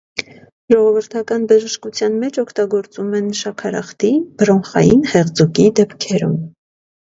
Ժողովրդական բժշկության մեջ օգտագործում են շաքարախտի, բրոնխային հեղձուկի դեպքերում։